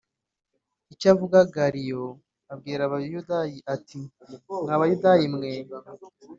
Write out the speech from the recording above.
icyo avuga Galiyo abwira Abayahudi ati mwa Bayahudi mwe